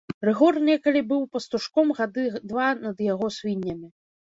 Рыгор некалі быў пастушком гады два над яго свіннямі.